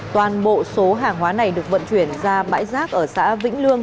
toàn bộ số hàng hóa này được vận chuyển ra bãi rác ở xã vĩnh lương